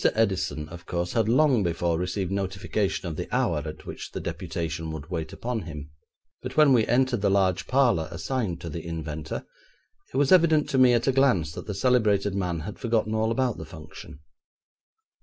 Edison, of course, had long before received notification of the hour at which the deputation would wait upon him, but when we entered the large parlour assigned to the inventor, it was evident to me at a glance that the celebrated man had forgotten all about the function.